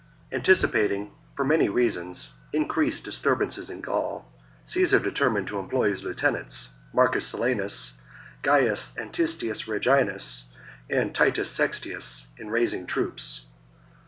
Anticipating, for many reasons, increased disturbances in Gaul, Caesar determined to employ his lieutenants, Marcus Silanus, Gaius Antistius Reginus, and Titus Sextius, in raising troops.